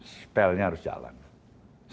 spellnya harus jelas